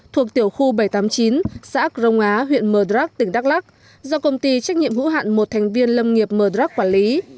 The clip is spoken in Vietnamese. thuộc tiểu khu bảy trăm tám mươi chín xã crong á huyện mờ rắc tỉnh đắk lắc do công ty trách nhiệm hữu hạn một thành viên lâm nghiệp mdrak quản lý